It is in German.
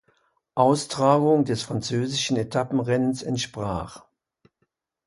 Austragung des französischen Etappenrennens entsprach.